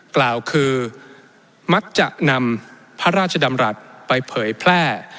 กล่าวคือมักจะนำพระราชดำรัฐไปเผยแพร่